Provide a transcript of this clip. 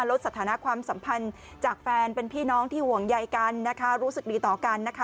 ลดสถานะความสัมพันธ์จากแฟนเป็นพี่น้องที่ห่วงใยกันนะคะรู้สึกดีต่อกันนะคะ